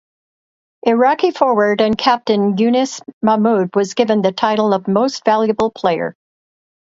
Iraqi forward and captain Younis Mahmoud was given the title of Most Valuable Player.